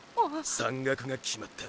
山岳が決まった。